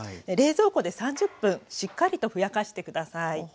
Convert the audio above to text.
冷蔵庫で３０分しっかりとふやかして下さい。